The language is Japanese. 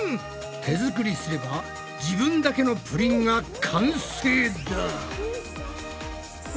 手作りすれば自分だけのプリンが完成だ！